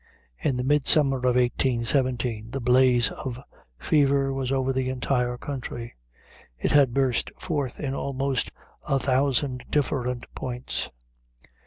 In midsummer of 1817, the blaze of fever was over the entire country. It had burst forth in almost a thousand different points.